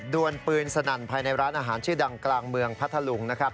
วนปืนสนั่นภายในร้านอาหารชื่อดังกลางเมืองพัทธลุงนะครับ